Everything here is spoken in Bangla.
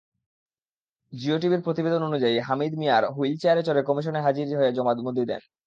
জিয়ো টিভির প্রতিবেদন অনুযায়ী, হামিদ মির হুইলচেয়ারে চড়ে কমিশনে হাজির হয়ে জবানবন্দি দেন।